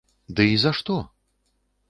Ды і за што?